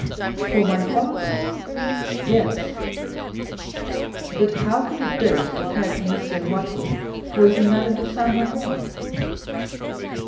"For my father?" "Yes." "But how could a dose prepared for M. Noirtier poison Madame de Saint Méran?"